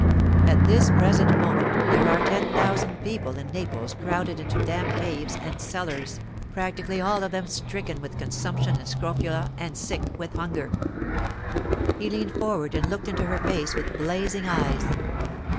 At this present moment there are ten thousand people in Naples crowded into damp caves and cellars—practically all of them stricken with consumption and scrofula, and sick with hunger.' He leaned forward and looked into her face with blazing eyes.